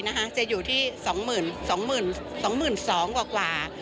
จะอยู่ที่๒๒๐๐๐กว่า